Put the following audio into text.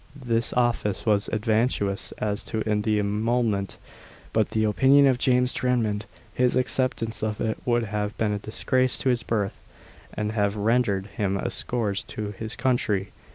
This office was advantageous as to emolument; but in the opinion of James Drummond, his acceptance of it would have been a disgrace to his birth, and have rendered him a scourge to his country.